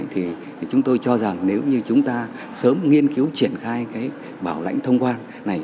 thì chúng tôi cho rằng nếu như chúng ta sớm nghiên cứu triển khai cái bảo lãnh thông quan này